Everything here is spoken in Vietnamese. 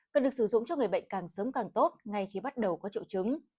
cần được sử dụng cho người bệnh càng sớm càng tốt ngay khi bắt đầu có triệu chứng